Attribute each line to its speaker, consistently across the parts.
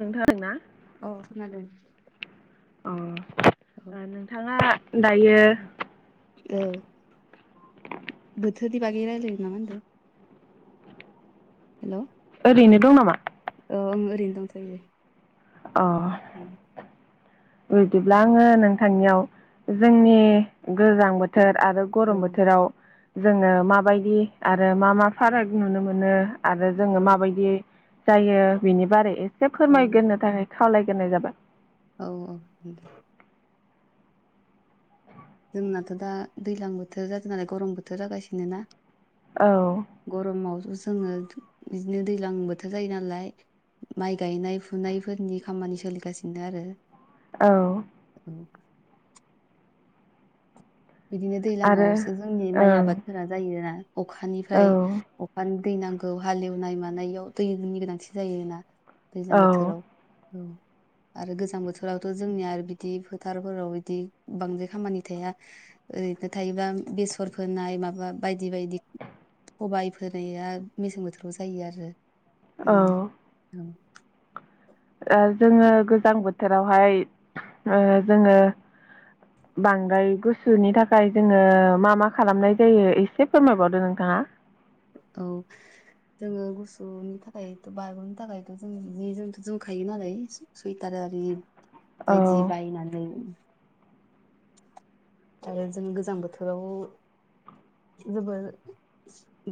Speaker 1: नोंथां ना
Speaker 2: अ खोनादों औ
Speaker 1: अ नोंथाङा दायो
Speaker 2: बोथोरनि बागै रायलायनो ना मा होनदों हेलै
Speaker 1: बेनो दं नामा
Speaker 2: औ आं ओरैनो दं थयो
Speaker 1: अ
Speaker 2: उम
Speaker 1: बिदिब्ला आङो नोंथांनियाव जोंनि गोजां बोथोर आरो गरम बोथोराव जोङो माबायदि आरो मा मा फाराग नुनो मोनो आरो जोङो माबायदियै जायो बिनि बारै एसे
Speaker 2: औ
Speaker 1: फोरमायगोरो थाखाय खावलायग्रोनाय जाबाय
Speaker 2: औ औ दे जोंनाथ दा दैज्लां बोथोर जादों नालाय गरम बोथोर जागासिनो ना
Speaker 1: औ
Speaker 2: गरमावथ जोङो बिदिनो दैज्लां बोथोर जायो नालाय माइ गायनाय फुनायफोरनि खामानि सोलिगासिनो आरो
Speaker 1: औ
Speaker 2: [inaudible] बिदिनो
Speaker 1: आरो
Speaker 2: दैज्लांआवसो जोंनि माइ
Speaker 1: ओं
Speaker 2: आबादफोरा जायोना अखानिफ्राय
Speaker 1: औ
Speaker 2: अखानि दै नांगौ हालेवनाय मानायाव दैनि गोनांथि जायोोना दैज्लां बोथोराव
Speaker 1: औ
Speaker 2: औ आरो गोजां बोथोरावथ' जोंनिया बिदि फोथारफोराव बिदि बांद्राय खामानि थाया ओरैनो थायोबा बेसर फोनाय माबा बायदि बायदि सबाय फोनाया मेसें बोथोराव जायो आरो औ औ
Speaker 1: ओ जोङो गोजां बोथोरावहाय ओ जोङो
Speaker 2: [inaudible]
Speaker 1: बांद्राय गुसुनि थाखाय जोङो मा मा खालामनाय जायो एसे फोरमायबावदो नोंथाङा
Speaker 2: औ जोङो गुसुनि थाखायथ' बारगनो थाखायथ' जों जि जोमथ' जोमखायो नालाय सुइटार आरि बायदि
Speaker 1: औ
Speaker 2: बायनानै आरो जों गोजां बोथोराव जोबोर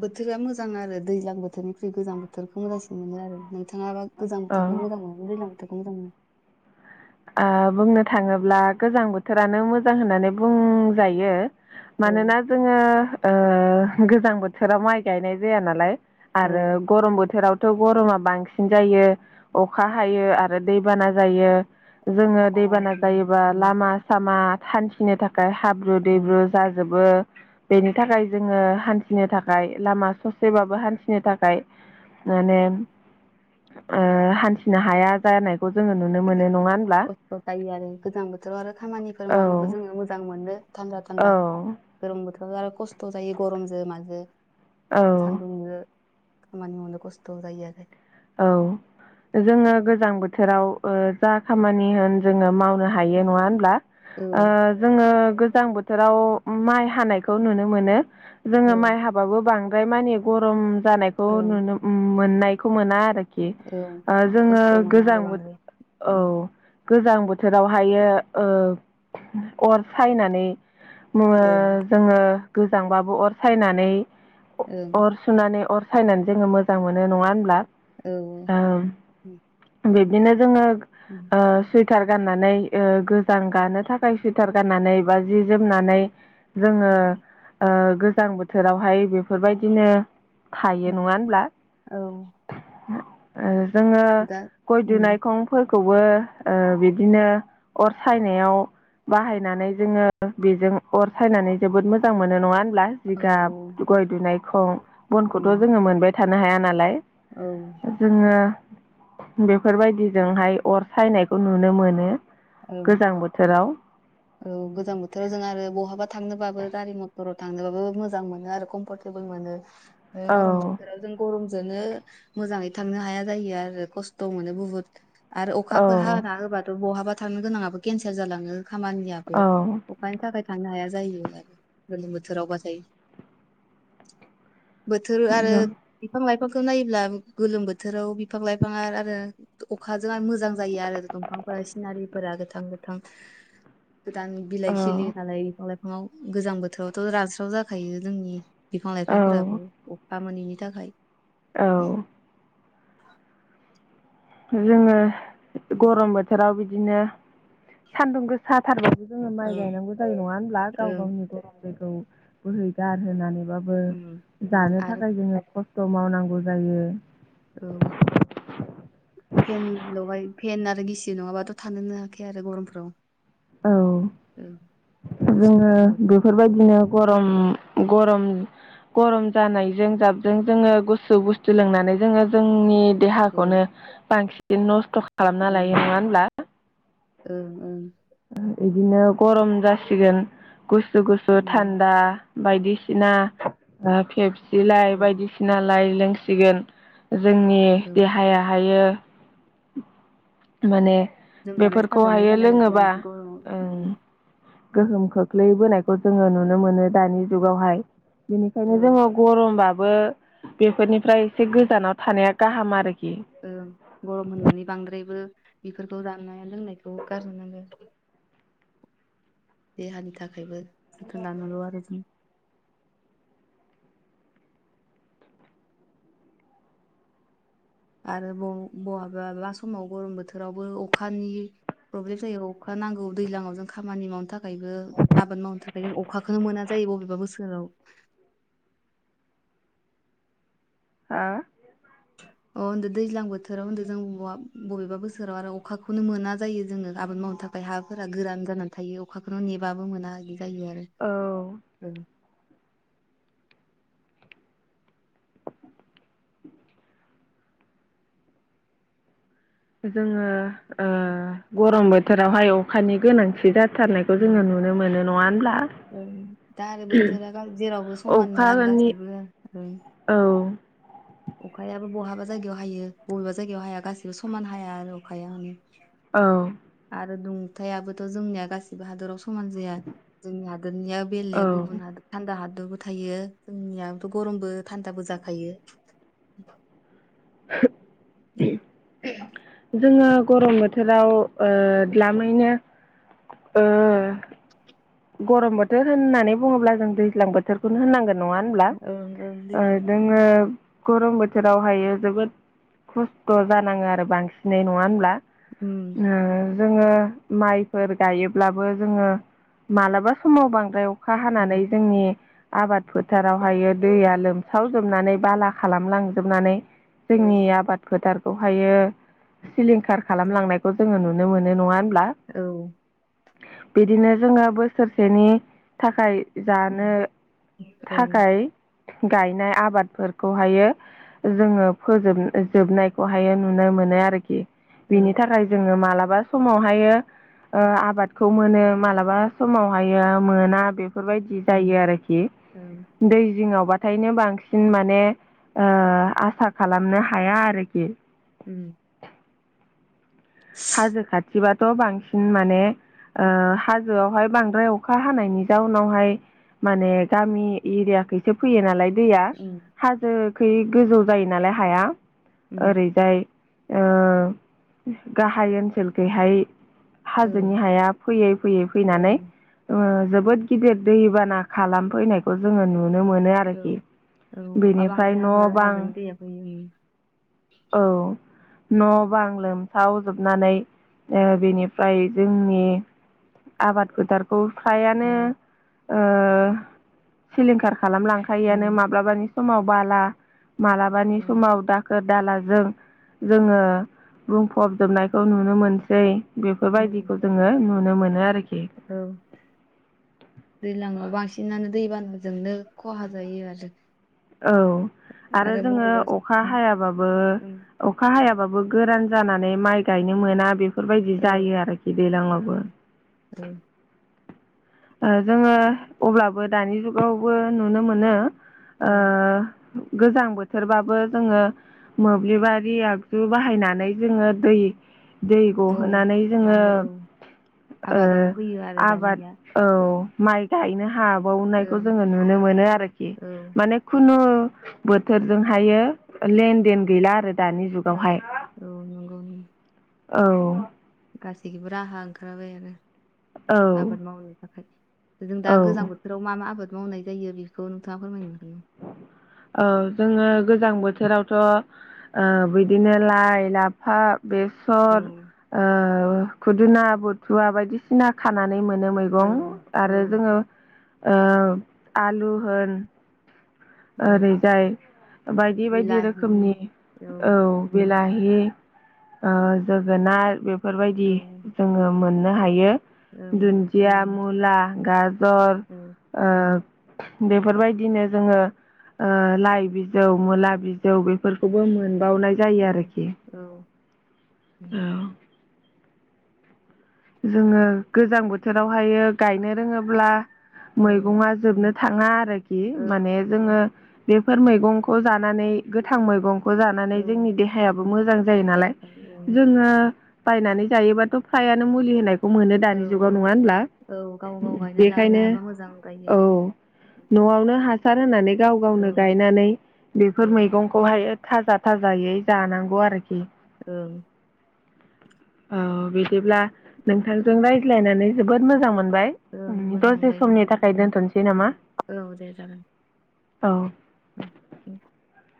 Speaker 2: बोथोरा मोजां आरो दैज्लां बोथोरनिख्रुइ गोजां बोथोरखौ मोजांसिन मोनो आरो नोंथाङा बा गोजां
Speaker 1: औ
Speaker 2: बोथोरखौ मोजां मोनो दैज्लां बोथोरखौ मोजां मोनो
Speaker 1: ओ बुंनो थाङोब्ला गोजां बोथोरानो मोजां होननानै बुंजायो
Speaker 2: औ
Speaker 1: मानोना जोङो ओ गोजां बोथोराव माइ गायनाय जाया नालाय आरो
Speaker 2: ओं
Speaker 1: गरम बोथोराव थ' गरमा बांसिन जायो अखा हायो आरो दैबाना जायो जोङो
Speaker 2: खहा
Speaker 1: दैबाना
Speaker 2: फैयो
Speaker 1: जायोबा लामा सामा हान्थिनो थाखाय हाब्रु
Speaker 2: ओं
Speaker 1: दैब्रु जाजोबो बेनि थाखाय जोङो हान्थिनो थाखाय लामा ससेबाबो हान्थिनो थाखाय माने ओ हान्थिनो हाया जानायखौ जोङो नुनो मोनो नङा
Speaker 2: खस्थ' जायो आरो गोजां बोथोराव आरो खामानिफोर मावनोबो
Speaker 1: औ
Speaker 2: जोङो मोजां मोनो थान्दा थान्दा
Speaker 1: औ
Speaker 2: गरम बोथोराव आरो खस्थ' जायो गरमजों माजों
Speaker 1: औ
Speaker 2: सान्दुंजों खामानि मावनो खस्थ' जायो आरो
Speaker 1: औ जोङो गोजां बोथोराव ओ जा खामानि होन जोङो माव नो हायो नङा होनब्ला ओ जोङो गोजां बोथोराव माइ हानायखौ नुनो मोनो
Speaker 2: औ
Speaker 1: जोङो माइ हाबाबो बां द्राय मानि गरम जानायखौ
Speaker 2: ओं
Speaker 1: नुनो मोननायखौ मोना आरो खि
Speaker 2: औ बिदि
Speaker 1: जोङो
Speaker 2: खस्थ' मोना
Speaker 1: गोजां
Speaker 2: आरो बांद्राय
Speaker 1: बोथोर औ
Speaker 2: उम
Speaker 1: गोजां बोथोरावहायो ओ अर सायनानै
Speaker 2: ओं
Speaker 1: [unintelligible] जोङो गोजांबाबो अर सायनानै
Speaker 2: ओं
Speaker 1: अर सुनानै अर सायनानै जोङो मोजां मोनो नङा होनब्ला
Speaker 2: औ
Speaker 1: बिदिनो जोङो
Speaker 2: उम
Speaker 1: ओह [unintelligible] सुइटार गाननानै गोजां गानो थाखाय सुइटार गाननानै बा जि जोमनानै जोङो
Speaker 2: औ
Speaker 1: ओ गोजां बोथोरावहाय बेफोरबायदिनो हायो नङा
Speaker 2: उम
Speaker 1: होनब्ला
Speaker 2: औ
Speaker 1: ओ जोङो
Speaker 2: दा
Speaker 1: गय
Speaker 2: उम
Speaker 1: दुनायखंफोर खौबो ओ बिदिनो अर सायनायाव बाहायनानै जोङो बेजों अर सायनानै जोबोद मोजां मोनो नङा होनब्ला
Speaker 2: औ
Speaker 1: जिगाब गय दुनायखं बनखौथ'
Speaker 2: उम
Speaker 1: जोङो मोनबाय थानो हाया नालाय
Speaker 2: औ
Speaker 1: जोङो बेफोरबायदिजोंहाय अर सायनायखौ नुनो मोनो
Speaker 2: औ
Speaker 1: गोजां बोथोराव
Speaker 2: औ गोजां बोथोराव जों आरो बहाबा थांनोबाबो गारि मथराव थांनोबाबो मोजां मोनो आरो कमफरटेबोल मोनो गरम
Speaker 1: औ
Speaker 2: बोथोराव जों गरम जोंनो मोजाङै थांनो हाया जायो आरो खस्थ' मोनो बुहुत आरो अखाफोर
Speaker 1: औ
Speaker 2: हाना होबाथ' बहाबा थांनो गोनाङाबो केनसेल जालाङो खामानियाबो
Speaker 1: औ
Speaker 2: अखानि थाखाय थांनो हाया जायो आरो गोलोम बोथोरावबाथाय बोथोर आरो
Speaker 1: जों
Speaker 2: बिफां लाइ फांखौ नायोब्ला गोलोम बोथोराव बिफां लाइफांआ आरो अखाजों आरो मोजां जायो आरो दंफांफोरा एसे नारि गोथां गोथां गोदान बिलाइ
Speaker 1: औ
Speaker 2: खिलियो नालाय बिफां लाइफां बिफाङाव गोजां बोथोरावथ' रानस्राव जाखायो जोंनि बिफां
Speaker 1: औ
Speaker 2: लाइफांफोराबो खामानिनि थाखाय उम
Speaker 1: औ जोङो गरम बोथोराव बिदिनो सान्दुं गोसाथारबो जोङो माइ
Speaker 2: ओं
Speaker 1: गायनांगौ जायो नङा होनब्ला गाव
Speaker 2: ओं
Speaker 1: गावनि गोलोमदैखौ बोहैगार होनानै बाबो
Speaker 2: उम
Speaker 1: जानो
Speaker 2: आरो
Speaker 1: थाखाय जोङो खस्थ' मावनांगौ जायो
Speaker 2: औ फेन लगाय फेन आरो गिसिब नङाबाथ' थानोनो हाखाया आरो गरमफ्राव ओं
Speaker 1: औ
Speaker 2: खस्थ'
Speaker 1: जोङो बेफोरबायदिनो गरम गरम गरम जानायजों जाबजों जोङो गुसु बुस्थु लोंनानै जोङो जोंनि
Speaker 2: औ
Speaker 1: देहाखौनो बांसिन नस्थ' खालामना लायो नङा होनब्ला
Speaker 2: ओ ओं
Speaker 1: बिदिनो गरम जासिगोन गुसु गुसु
Speaker 2: उम
Speaker 1: थान्दा बायदिसिना फेबसि
Speaker 2: औ
Speaker 1: लाइ बायदिसिनालाय लोंसिगोन जोंनि
Speaker 2: औ
Speaker 1: देहायाहायो माने
Speaker 2: लोमजानाय साजानाय
Speaker 1: बेफोरखौहायो
Speaker 2: जायो आरो
Speaker 1: लोङोबा
Speaker 2: नंगौ ओम
Speaker 1: ओं गोहोम खोख्लैबोनायखौ जोङो नुनो मोनो दानि जुगावहाय। बेनिखायनो
Speaker 2: औ
Speaker 1: जोङो गरमबाबो बेफोरनिफ्राय एसे गोजानाव थानाया गाहाम आरोखि
Speaker 2: ओ गरम होननानै बांद्रायबो बेफोरखौ जानाय लोंनायखौ गारोनांगोन। देहानि थाखायबो जोथोन लानांगौ आरो जों। आरो बहाबाबा समावबो गरम बोथोरावबो अखानि प्रब्लेम जायो अखा नांगौ दैलांआव जों खामानि मावनो थाखायबो आबाद मावनो थाखाय जों अखाखौनो मोना जायो। बबेबा बोसोराव
Speaker 1: हा।
Speaker 2: [inaudible] अ होनदों दैज्लां बोथोराव होनदों जों बबेबा बबेबा बोसोराव आरो अखाखौनो मोना जायो जोङो आबाद मावनो थाखाय। ओमफ्राय हाफोरा गोरान जानानै थायो अखाखौनो नेबाबो मोना बिदि जायो आरो
Speaker 1: औ
Speaker 2: ओ।
Speaker 1: [inaudible] जोङो ओ गरम बोथोरावहाय अखानि गोनांथि जा थारनायखौ जोङो नुनो मोनो नङा होनब्ला
Speaker 2: ओ दा आरो बोथोरा जेरावबो समान नङा आरो
Speaker 1: अखानि
Speaker 2: गासिबो ओ
Speaker 1: औ।
Speaker 2: अखायाबो बहाबा जायगायाव हायो बबेबा जायगायाव हाया गासिबो समान हाया आरो अखाया।
Speaker 1: औ।
Speaker 2: आरो दुंथायाबोथ' जोंनिया गासिबो हादराव समा समान जाया जोंनि हादोरनिया
Speaker 1: औ
Speaker 2: बेलेग गुबुन हादर थान्दा हादर बो थायो जोंनियाथ' गरमबो थान्दाबो जाखायो।
Speaker 1: जोङो गरम बोथोराव ओ द्लामैनो ओ गरम बोथोर होननानै बुङोब्ला जों दैज्लां बोथोरखौनो होननांगोन नङा होमब्ला
Speaker 2: ओं ओं दैज्लां बोथोर
Speaker 1: जोङो गरम बोथोरावहायो जोबोद खस्थ' जानाङो आरो बांसिनै नङा होनब्ला
Speaker 2: उम
Speaker 1: ओ जोङो माइफोर गायोब्लाबो जोङो मालाबा समाव बांद्राय अखा हानानै
Speaker 2: उम
Speaker 1: जोंनि आबाद फोथारावहायो
Speaker 2: ओं
Speaker 1: दैया लोमसावजोबनानै बाला खालामलांजोबनानै जोंनि आबाद फोथारखौहायो सिलिंखार खालामलांनायखौ जोङो नुयो। नुनो मोननो मोनो नङा
Speaker 2: औ।
Speaker 1: बिदिनो जोङो बोसोरसेनि थाखाय जानो
Speaker 2: ओं
Speaker 1: थाखाय गायनाय आबादफोरखौहायो जोङो फोजोब जोबनायखौहायो नुनाय मोन। मोनो आरोखि बिनि
Speaker 2: औ
Speaker 1: थाखाय जोङो मालाबा समावहायो आबादखौ मोनो मालाबा समावहायो मोना बेफोरबायदि
Speaker 2: उम
Speaker 1: जायो आरोखि
Speaker 2: ओं ओं
Speaker 1: दै जिङावबा थायनो बांसिन माने आसा खालामनो हाया आरोखि।
Speaker 2: उम।
Speaker 1: हाजो खाथिबाथ' बांसिन माने हाजोआवहाय बांद्राय अखा हानायनि जाउनावहाय माने गामि एरियाखौसो फैयो नालाय दैया
Speaker 2: ओं उम
Speaker 1: हाजोखैयि गोजौ जायो नालाय हाया
Speaker 2: उम
Speaker 1: ओरैजाय गाहाय ओनसोलखैहाय हाजोनि
Speaker 2: उम
Speaker 1: हाया फैयै फैयै
Speaker 2: औ
Speaker 1: फैनानै
Speaker 2: ओं
Speaker 1: जोबोद गिदिर दैबाना खालामफैनायखौ जोङो नुनो मोनो
Speaker 2: औ
Speaker 1: आरोखि
Speaker 2: औ अखा
Speaker 1: बेनिफ्राय
Speaker 2: बांद्राय
Speaker 1: न'
Speaker 2: हाबा
Speaker 1: बां
Speaker 2: हाजोननि दैया फैयो
Speaker 1: औ न' बांलोम सावजोबनानै ओ बेनिफ्राय जोंनि आबाद फोथार खौ फ्रायानो
Speaker 2: औ
Speaker 1: ओ सिलिंखार खालामलांखायोआनो
Speaker 2: उम
Speaker 1: माब्लाबानि समाव बाला
Speaker 2: औ
Speaker 1: मालाबानि समाव दाख दालाजों जोङो बुंफबजोबनायखौ नुनो मोनसै। बेफोरबायदिखौ
Speaker 2: उम
Speaker 1: जोङो नुनो मोनो आरोखि।
Speaker 2: औ दैज्लाांआव बांसिन बांसिननानै दैबानाजोंनो खहा जायो आरो।
Speaker 1: औ आरो जोङो अखा हायाबाबो
Speaker 2: औ
Speaker 1: अखा हाया। बाबो गोरान जानानै माइ गायनो मोना बे बेफोरबायदि जायो आरोखि दैज्लाङावबो।
Speaker 2: ओं
Speaker 1: ओ जोङो अब्लाबो दानि जुगावबो नुनो मोनो। ओ।
Speaker 2: ओं
Speaker 1: गोजां बोथोरबाबो जोङो मोब्लिबारि आगजु बाहायनानै जोङो दै दै
Speaker 2: औ
Speaker 1: गहानै जोङो
Speaker 2: दानिया औ
Speaker 1: ओ
Speaker 2: आबादाव होयो आरो
Speaker 1: आबाद
Speaker 2: दानिया
Speaker 1: औ
Speaker 2: ओं
Speaker 1: माइ गायनो हाब बावनायखौ
Speaker 2: ओं
Speaker 1: जोङो नुनो मोनो आरोखि
Speaker 2: औ
Speaker 1: माने खुनु बोथोरजोंहायो लेन देन गैला आरो। दानि जुगावहाय
Speaker 2: [unintelligible] औ नंगौ नंगौ।
Speaker 1: औ।
Speaker 2: गासैखोबो राहा ओंखारबाय आरो।
Speaker 1: औ
Speaker 2: आबाद मावनो थाखाय जों दा
Speaker 1: औ
Speaker 2: गोजां बोथोराव मा मा आबाद मावनाय जायो बेखौ नोंथाङा फोरमायनो हागोना।
Speaker 1: औ जोङो गोजां बोथोरावथ' ओ बिदिनो लाइ लाफा बेसर
Speaker 2: औ
Speaker 1: ओ खुदुना बुथुवा बायदिसिना खानानै मोनो मैगं
Speaker 2: औ
Speaker 1: आरो
Speaker 2: औ
Speaker 1: जोङो ओ आलु होन
Speaker 2: औ
Speaker 1: ओरैजाय बायदि बायदि
Speaker 2: बिलाहि
Speaker 1: रोखोमनि औ बेलाहि हि जोगोनार बेफोरबायदि
Speaker 2: औ
Speaker 1: जोङो मोननो हायो।
Speaker 2: ओं
Speaker 1: दुन्दिया मुला गाजर
Speaker 2: औ
Speaker 1: ओ बेफोरबायदिनो जोङो ओ लाइ बिजौ मुला बिजौ बेफोरखौबो मोनबावनाय
Speaker 2: औ
Speaker 1: जायो आरोखि।
Speaker 2: औ
Speaker 1: औ। जोङो गोजां बोथोरावहायो गायनो रोङोब्ला
Speaker 2: औ
Speaker 1: मैगङा जोबनो थाङा आरोखि माने जोङो बेफोर मैगंखौ जानानै गोथां मैगं। खौ जानानै
Speaker 2: औ
Speaker 1: जोंनि देहायाबो मोजां जायो नालाय जोङो बायनानै जायोबाथ' हायानो मुलि होनाय खौ मोनो
Speaker 2: औ
Speaker 1: दानि जुगाव नङा होनब्ला
Speaker 2: औ गाव गाव गायना लानो
Speaker 1: बेखायनो
Speaker 2: हाबा मोजां जायो
Speaker 1: औ
Speaker 2: आरो
Speaker 1: न'आवनो हासार होनानै गाव
Speaker 2: औ
Speaker 1: गावनो गायनानै
Speaker 2: औ
Speaker 1: बेफोर मैगंखौहाय थाजा थाजायै जानांगौ आरोखि।
Speaker 2: ओं।
Speaker 1: औ बिदिब्ला नोंथांजों रायज्लायनानै जोबोद मोजां मोन बाय
Speaker 2: ओं मोजां
Speaker 1: दसे
Speaker 2: मोनबाय दे
Speaker 1: समनि थाखाय दोनथ'नोसै नामा
Speaker 2: औ औ दे जागोन
Speaker 1: औ।
Speaker 2: [unintelligible]